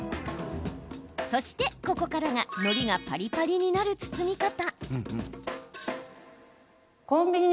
そして、ここからがのりがパリパリになる包み方。